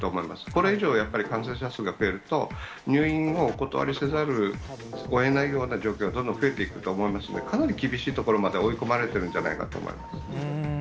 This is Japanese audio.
これ以上、やっぱり感染者数が増えると、入院をお断りせざるをえないような状況がどんどん増えていくと思いますので、かなり厳しいところまで追い込まれてるんじゃないかと思います。